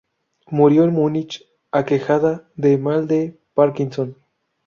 Murió en Múnich aquejada de mal de Parkinson.